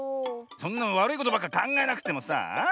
そんなわるいことばっかかんがえなくてもさあ。